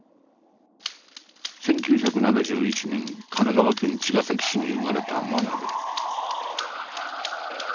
１９７１年神奈川県茅ヶ崎市に生まれた真鍋。